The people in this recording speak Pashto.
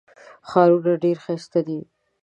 ښارونه ډېر ښایسته دي.